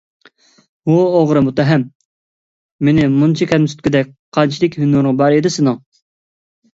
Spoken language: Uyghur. ھۇ ئوغرى مۇتتەھەم! مېنى بۇنچە كەمسىتكۈدەك قانچىلىك ھۈنىرىڭ بار ئىدى سېنىڭ؟